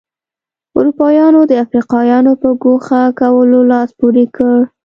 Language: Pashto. اروپایانو د افریقایانو په ګوښه کولو لاس پورې کړ.